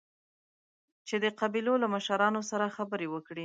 چې د قبيلو له مشرانو سره خبرې وکړي.